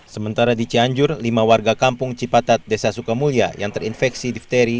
sementara di cianjur lima warga kampung cipatat desa sukamulya yang terinfeksi difteri